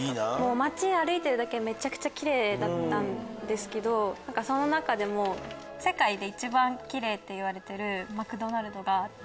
街歩いてるだけでめちゃくちゃキレイだったんですけどその中でも世界で一番キレイっていわれてるマクドナルドがあって。